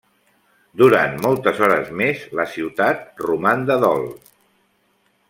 Durant moltes hores més la ciutat roman de dol.